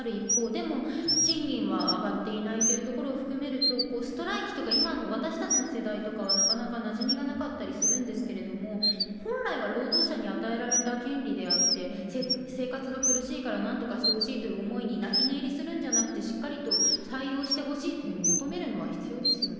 でも、賃金は上がっていないというところを含めると、ストライキとか、今の私たちの世代とかは、なかなかなじみがなかったりとかはするんですけれども、本来は労働者に与えられた権利であって、生活が苦しいからなんとかしてほしいという思いに泣き寝入りするんじゃなくて、しっかりと対応してほしいというふうに求めるのは必要ですよね。